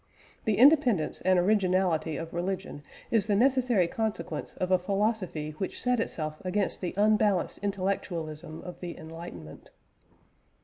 The independence and originality of religion is the necessary consequence of a philosophy which set itself against the unbalanced intellectualism of the "enlightenment."